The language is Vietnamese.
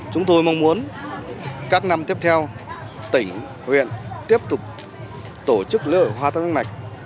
chúng tôi mong muốn các năm tiếp theo tỉnh huyện tiếp tục tổ chức lễ hội hoa thắp hương mạch